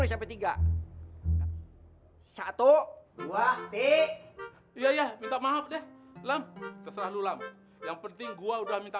sampai tiga satu dua tiga iya iya minta maaf deh lam terserah lu lam yang penting gua udah minta